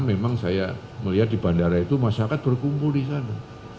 memang saya melihat di bandara itu masyarakat berkumpul di sana